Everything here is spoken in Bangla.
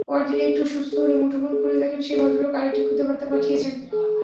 পরদিন একটু সুস্থ হলে মুঠোফোন খুলে দেখেন সেই ভদ্রলোক আরেকটি খুদে বার্তা পাঠিয়েছেন।